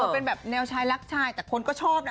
เป็นแบบแนวชายรักชายแต่คนก็ชอบนะ